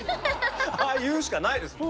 ああ言うしかないですもん。